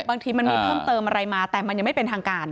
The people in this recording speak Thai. บางทีมันมีเพิ่มเติมอะไรมาแต่มันยังไม่เป็นทางการ